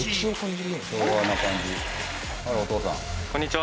こんにちは。